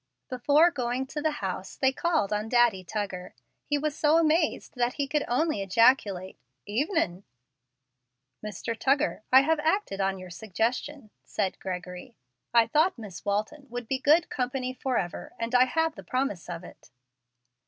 Before going to the house, they called on Daddy Tuggar. He was so amazed that he could only ejaculate, "Evenin'." "Mr. Tuggar, I have acted on your suggestion," said Gregory. "I thought Miss Walton would be good company forever, and I have the promise of it."